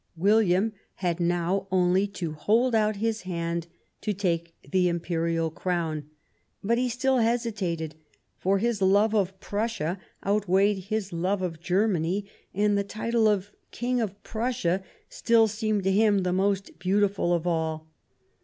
"William had now only to hold out his hand to take the Imperial Crown ; but he still hesitated, for his love of Prussia outweighed his love of Germany, and the title of King of Prussia still seemed to him the most beautiful of all.